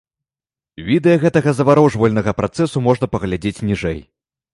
Відэа гэтага заварожвальнага працэсу можна паглядзець ніжэй.